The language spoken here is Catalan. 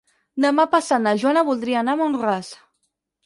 Demà passat na Joana voldria anar a Mont-ras.